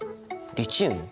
リチウム？